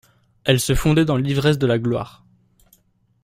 Elle se fondait dans l'ivresse de la gloire.